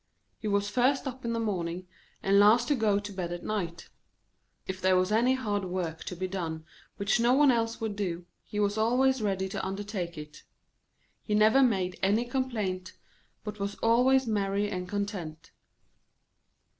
He was first up in the morning, and last to go to bed at night. If there was any hard work to be done which no one else would do, he was always ready to undertake it. He never made any complaint, but was always merry and content.